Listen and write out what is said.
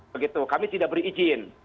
begitu kami tidak berizin